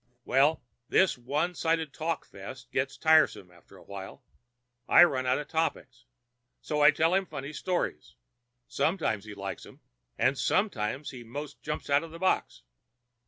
"Well, this one sided talkfest gets tiresome after a while. I run out of topics, so I tell him funny stories. Sometimes he likes them, and sometimes he 'most jumps out of the box.